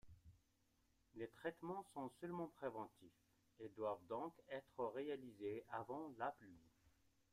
Les traitements sont seulement préventifs, et doivent donc être réalisés avant la pluie.